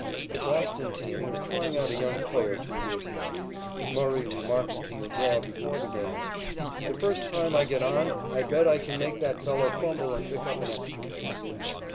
The Boston team was trying out a young player two years ago. Murray remarked to McGraw before the game: "The first time I get on, I bet I can make that fellow fumble and pick up an extra base."